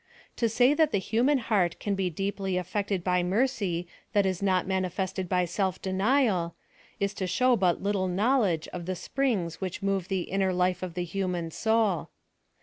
To say tl\at the human heart can be deeply affected by mwcy that is not manifested by self denial, is to show but little knowledge of the springs which move the inner life of the human soul.